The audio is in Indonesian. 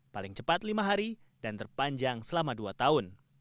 paling cepat lima hari dan terpanjang selama dua tahun